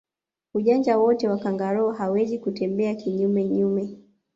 Ujanja wote wa kangaroo hawezi kutembea kinyume nyume